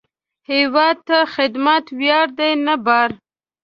هیواد ته خدمت ویاړ دی، نه بار